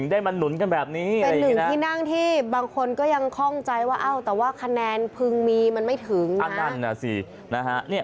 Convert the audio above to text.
ไม่รู้ใจว่าเอ้าแต่ว่าคะแนนเพิ่งมีมันไม่ถึงนะอันนั้นสิ